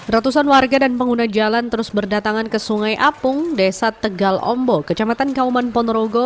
ratusan warga dan pengguna jalan terus berdatangan ke sungai apung desa tegal ombo kecamatan kauman ponorogo